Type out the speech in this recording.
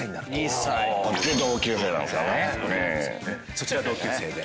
そちら同級生で。